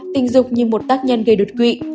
tình dục như một tác nhân gây đột quỵ